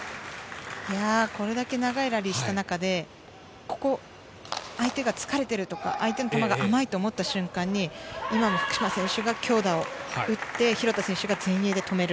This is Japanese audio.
これだけ長いラリーをした中で相手が疲れている、相手が甘いと思った瞬間に今の福島選手が強打を打って、廣田選手が前衛で止める。